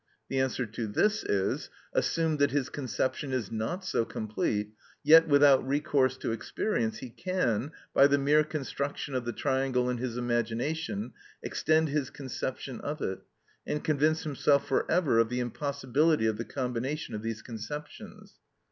The answer to this is: assume that his conception is not so complete, yet without recourse to experience he can, by the mere construction of the triangle in his imagination, extend his conception of it and convince himself for ever of the impossibility of this combination of these conceptions.